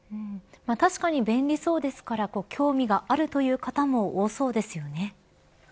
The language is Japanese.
確かに便利そうですから興味があるという方もそうですね。